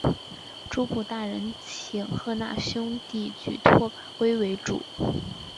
诸部大人请贺讷兄弟举拓跋圭为主。